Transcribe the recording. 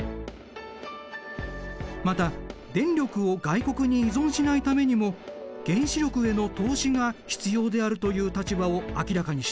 また電力を外国に依存しないためにも原子力への投資が必要であるという立場を明らかにしている。